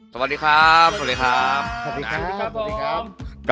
สวัสดีครับสวัสดีครับสวัสดีครับสวัสดีครับสวัสดีครับ